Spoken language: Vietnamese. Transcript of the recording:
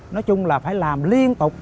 nói chung là phải làm liên tục